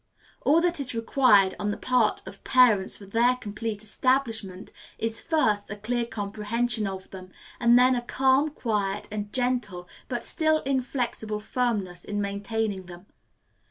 All that is required on the part of parents for their complete establishment is, first, a clear comprehension of them, and then a calm, quiet, and gentle, but still inflexible firmness in maintaining them.